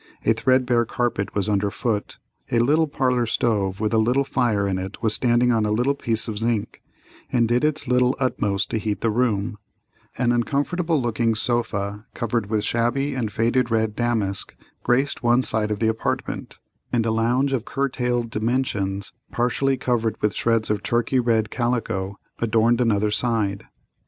A thread bare carpet was under foot; a little parlor stove with a little fire in it was standing on a little piece of zinc, and did its little utmost to heat the room; an uncomfortable looking sofa covered with shabby and faded red damask graced one side of the apartment, and a lounge, of curtailed dimensions, partially covered with shreds of turkey red calico, adorned another side.